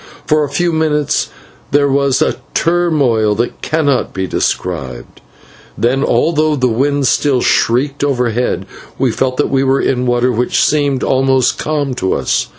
For a few minutes there was a turmoil that cannot be described; then, although the wind still shrieked overhead, we felt that we were in water which seemed almost calm to us.